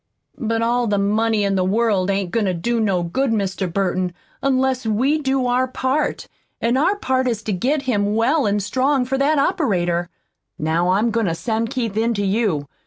"But all the money in the world ain't goin' to do no good Mr. Burton, unless we do our part, an' our part is to get him well an' strong for that operator. Now I'm goin' to send Keith in to you.